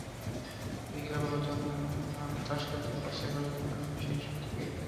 বিকেলে বাবা যখন তাস খেলতে পাশের বাড়ি গেলেন, আমিও সেই সুযোগে পগারপার।